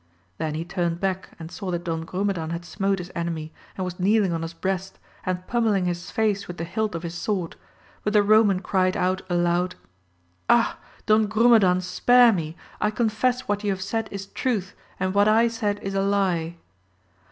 Then he turned back and saw that Don Grumedan had smote his enemy, and was kneeling on his breast, and pummelling his face with the hilt of his sword, but the Eoman cried out aloud. Ah ! Don Grumedan, spare me ! I confess what you have said is truth, and what I said is a lie.